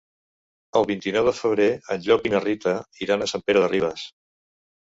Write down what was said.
El vint-i-nou de febrer en Llop i na Rita iran a Sant Pere de Ribes.